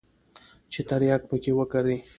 چې ترياک پکښې وکري.